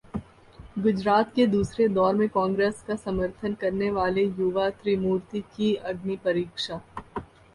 गुजरात के दूसरे दौर में कांग्रेस का समर्थन करने वाले युवा त्रिमूर्ति की अग्निपरीक्षा